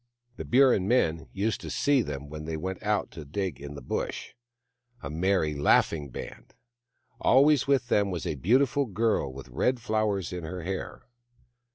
The Burrin men used to see them when they went out to dig in the Bush, a merry, laughing band. Always with them was a beautiful girl with red flowers in her hair.